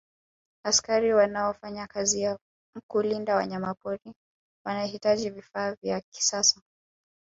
askari wanaofanya kazi ya kulinda wanyamapori wanahitaji vifaa vya kisasa